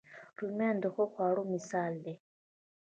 رومیان د ښه خواړه مثال دي